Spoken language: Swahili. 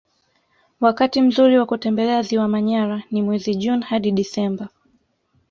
Wakati mzuri wa kutembelea ziwa manyara ni mwezi juni hadi disemba